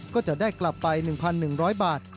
ก็จะได้กลับไป๑๑๐๐บาท